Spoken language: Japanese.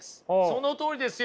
そのとおりですよ。